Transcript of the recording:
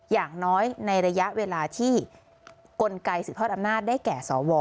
อย่างน้อยในระยะเวลาที่กลไกสืบทอดอำนาจได้แก่สว